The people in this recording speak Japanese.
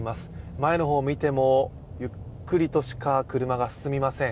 前の方を見ても、ゆっくりとしか車が進みません。